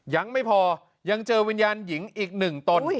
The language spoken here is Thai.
ยังไม่พอยังเจอวิญญาณหญิงอีกหนึ่งตน